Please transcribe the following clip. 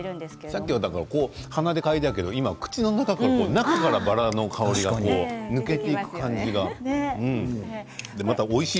さっきは鼻から嗅いだけど口の中からバラの香りが抜けていく感じがまたおいしい